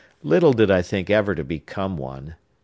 Little did I think ever to become one.